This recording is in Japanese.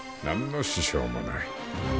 何の支障もない。